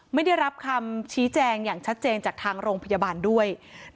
ไม่ได้รับคำชี้แจงอย่างชัดเจนจากทางโรงพยาบาลด้วย